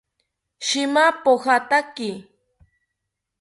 Shima pojataki